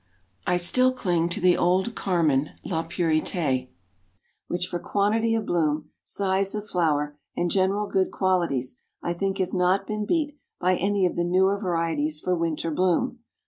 "I still cling to the old carmine La Purite, which for quantity of bloom, size of flower and general good qualities, I think has not been beat by any of the newer varieties for winter bloom."